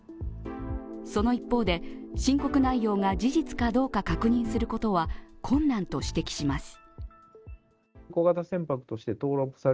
その一方で、申告内容が事実かどうか確認することは困難と指摘します。